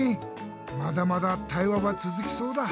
まだまだ対話はつづきそうだ。